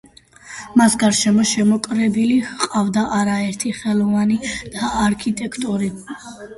მას გარშემო შემოკრებილი ჰყავდა არაერთი ხელოვანი და არქიტექტორი.